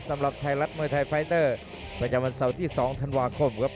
สำหรับไทยรัฐมวยไทยไฟเตอร์ประจำวันเสาร์ที่๒ธันวาคมครับ